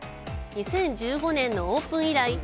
２０１５年のオープン以来